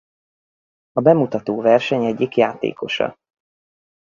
A bemutató verseny egyik játékosa.